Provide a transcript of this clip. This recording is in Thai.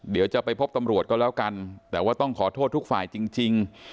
เดี๋ยวจะไปพบตำรวจก็แล้วกันแต่ว่าต้องขอโทษทุกฝ่ายจริง